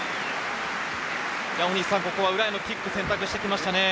ここは裏へのキックを選択してきましたね。